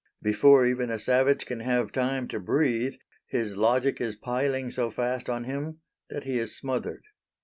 Before even a savage can have time to breathe, his logic is piling so fast on him that he is smothered.